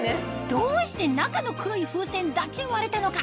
どうして中の黒い風船だけ割れたのか？